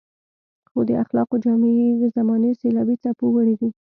خو د اخلاقو جامې يې د زمانې سېلابي څپو وړي دي.